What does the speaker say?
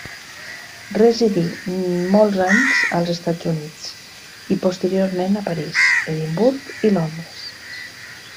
Residí molts anys als Estats Units i posteriorment a París, Edimburg i Londres.